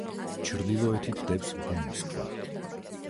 ჩრდილოეთით დევს ბუნის ქვა.